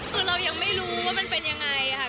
คือเรายังไม่รู้ว่ามันเป็นยังไงค่ะ